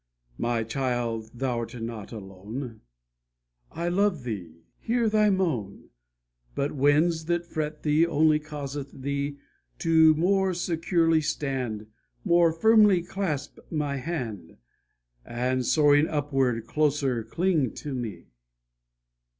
"My child thou'rt not alone, I love thee, hear thy moan, But winds that fret thee only causeth thee To more securely stand, More firmly clasp my hand, And soaring upward, closer cling to me."